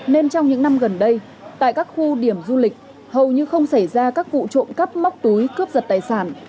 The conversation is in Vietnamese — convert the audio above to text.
nên trong những năm gần đây tại các khu điểm du lịch hầu như không xảy ra các vụ trộm cắp móc túi cướp giật tài sản